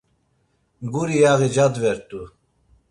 Guri yaği cadvert̆u.